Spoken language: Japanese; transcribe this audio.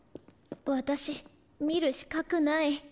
私見る資格ない。